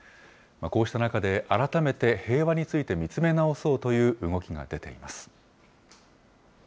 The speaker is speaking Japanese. こうした中で改めて平和について見つめ直そうという動きが出ています。